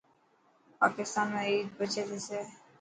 پاڪستان ۾ عيد پڇي ٿيسي.